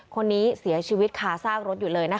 คนนี้เสียชีวิตคาซากรถอยู่เลยนะคะ